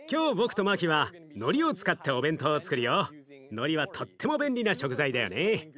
のりはとっても便利な食材だよね。